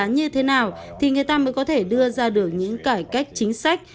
như thế nào thì người ta mới có thể đưa ra được những cải cách chính sách